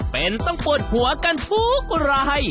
เป็นต้องปวดหัวกันทุกราย